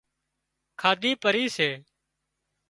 کاڌي پري سي